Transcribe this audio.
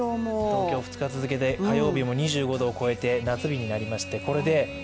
東京、２日続けて火曜日も２５度を超えて夏日になります。